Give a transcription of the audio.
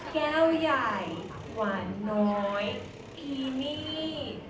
แก้วย่ายหวานน้อยคีนี่